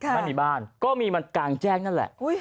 ไม่มีบ้านก็มีมันกลางแจ้งนั่นแหละ